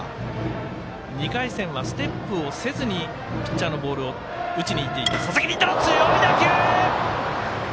２回戦はステップをせずにピッチャーのボールを打ちにいっていた佐々木麟太郎。